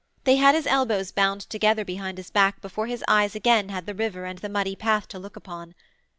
They had his elbows bound together behind his back before his eyes again had the river and the muddy path to look upon.